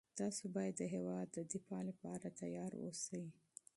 تاسو باید د هېواد د دفاع لپاره چمتو اوسئ.